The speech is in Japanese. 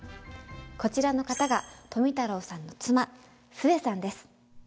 こちらの方が富太郎さんの妻壽衛さんです。